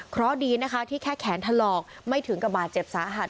เพราะดีที่แค่แขนทะลอกไม่ถึงกระบาดเจ็บสาหัด